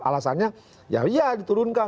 alasannya ya iya diturunkan